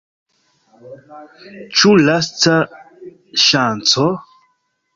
Ĉu lasta ŝanco?